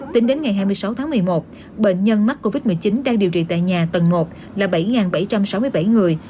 tính đến ngày hai mươi sáu tháng một mươi một bệnh nhân mắc covid một mươi chín đang điều trị tại nhà tầng một là bảy bảy trăm sáu mươi bảy người